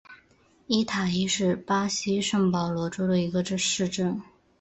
伊塔伊是巴西圣保罗州的一个市镇。